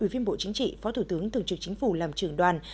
ủy viên bộ chính trị phó thủ tướng thường trực chính phủ làm trưởng đoàn